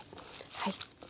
はい。